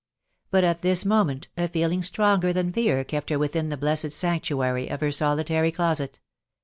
Bat at this mo ment, a feeling stronger than fear kept her within the blessed sanctuary of her solitary closet.